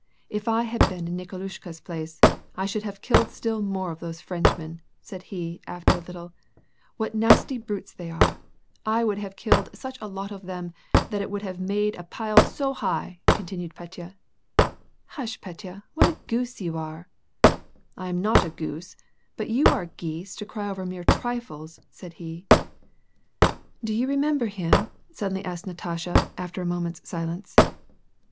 " If I had been in Nikolushka's place, I should have killed still more of those Frenchmen," said he, after a little ; "what nasty brutes they are ! I would have killed such a lot of them that it would have made a pile so high," continued Tetya. " Hush, Petya ! what a goose you are !"" I am not a goose, but you are geese to cry over mere trifles !" said he. " Do you remember him ?" suddenly asked Natasha, after a moment's silence.